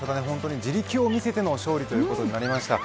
自力を見せての勝利ということになりました。